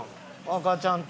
赤ちゃんと。